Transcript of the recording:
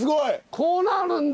こうなるんだ。